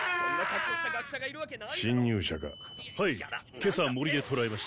今朝森で捕らえました。